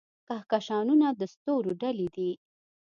کهکشانونه د ستورو ډلې دي.